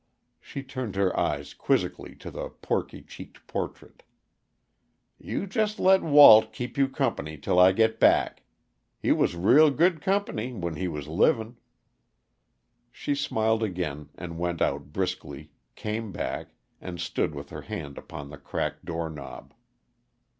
She turned her eyes quizzically to the porky cheeked portrait. "You jest let Walt keep you company till I get back. He was real good company when he was livin'." She smiled again and went out briskly, came back, and stood with her hand upon the cracked doorknob.